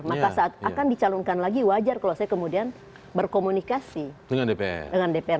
maka saat akan dicalonkan lagi wajar kalau saya kemudian berkomunikasi dengan dpr